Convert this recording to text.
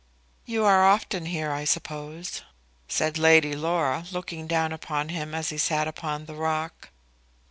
"You are often here, I suppose?" said Lady Laura, looking down upon him as he sat upon the rock.